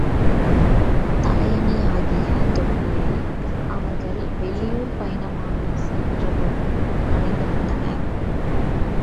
தலையணியாகிய தொப்பியை அவர்கள் வெளியூர்ப் பயணமாகச் சென்ற பொழுதுதான் அணிந்து வந்தனர்.